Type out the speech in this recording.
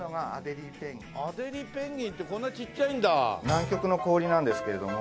南極の氷なんですけれども。